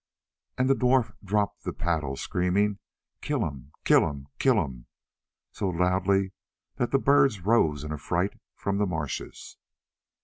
And the dwarf dropped the paddle screaming "Kill him! kill him! kill him!" so loudly that the birds rose in affright from the marshes.